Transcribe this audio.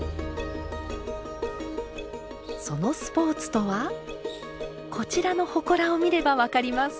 そのスポーツとはこちらのほこらを見れば分かります。